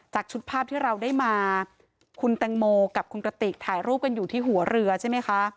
ชุดภาพที่เราได้มาคุณแตงโมกับคุณกระติกถ่ายรูปกันอยู่ที่หัวเรือใช่ไหมคะ